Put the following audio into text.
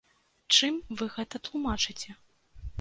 Чым вы гэта тлумачыце?